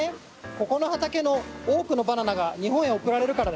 ここの畑の多くのバナナが日本へ送られるからだよ。